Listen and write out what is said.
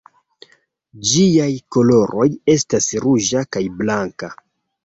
Ĝiaj koloroj estas ruĝa kaj blanka.